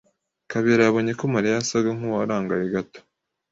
Kabera yabonye ko Mariya yasaga nkuwarangaye gato